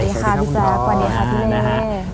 สวัสดีค่ะพี่จักรสวัสดีค่ะพี่แม่